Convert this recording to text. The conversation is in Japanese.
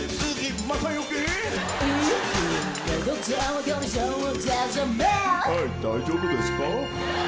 はい大丈夫ですか？